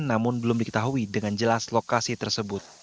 namun belum diketahui dengan jelas lokasi tersebut